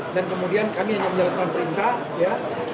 dan kemudian kami yang menjalankan perintah ya